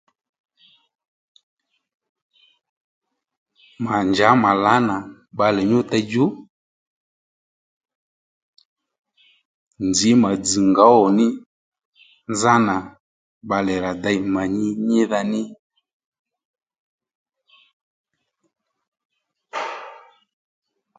Mà njǎ mà lǎnà bbalè nyú tey djú nzǐ mà dzz̀ ngǒwò ní nzánà bbalè rà dey mà nyi nyídha ní